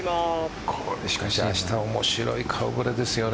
しかし、面白い顔ぶれですよね。